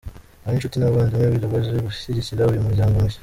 Aho inshuti n’abavandimwe baribaje gushyigikira uyu muryango mushya .